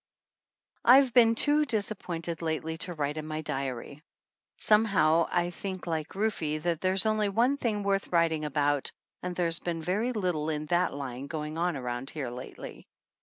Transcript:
I've been too disappointed lately to write in my diary. Somehow, I think like Rufe, that there's only one thing worth writing about, and there's been very little in that line going on around here lately.